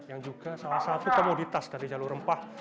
yang juga salah satu komoditas dari jalur rempah